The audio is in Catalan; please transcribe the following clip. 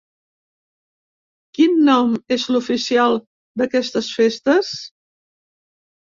Quin nom és l'oficial d'aquestes festes?